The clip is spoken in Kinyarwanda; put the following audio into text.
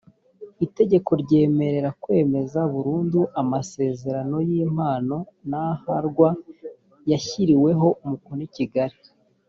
itegeko ryemerera kwemeza burundu amasezerano y impano n h rw yashyiriweho umukono i kigali